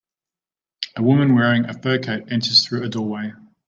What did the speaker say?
A woman wearing a fur coat enters through a doorway